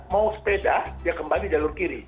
mau sepeda dia kembali jalur kiri